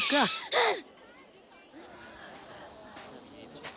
うん。